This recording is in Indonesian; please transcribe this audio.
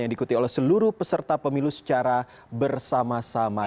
yang diikuti oleh seluruh peserta pemilu secara bersama sama